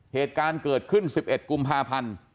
เหตุการณ์เกิดขึ้น๑๑กุมภาพันธ์